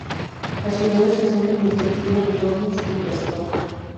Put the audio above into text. La ciudad es el centro administrativo del óblast de Pskov.